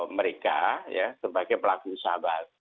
mereka sebagai pelaku usaha bahasa indonesia